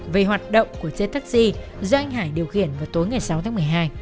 về hoạt động của xe taxi do anh hải điều khiển vào tối ngày sáu tháng một mươi hai